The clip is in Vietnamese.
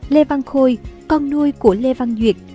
lê văn khôi con nuôi của lê văn duyệt